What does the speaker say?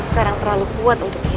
sekarang terlalu kuat untuk